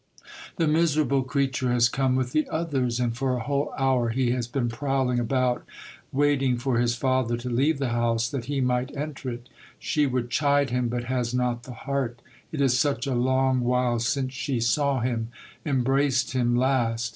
The miserable creature has come with the others, and for a whole hour he has been prowling about, waiting for his father to leave the house, that he might enter it. She would chide him, but has not the heart. It is such a long while since she saw him, embraced him last.